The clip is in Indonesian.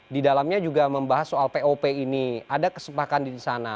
di dalamnya juga membahas soal pop ini ada kesepakatan di sana